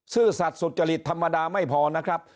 ซื่อสัตว์สุจริตธรรมดาไม่พอนะครับ